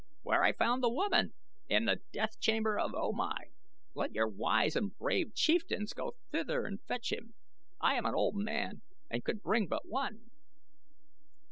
"Where I found the woman in the death chamber of O Mai. Let your wise and brave chieftains go thither and fetch him. I am an old man, and could bring but one."